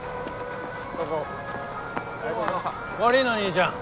悪いなにいちゃん。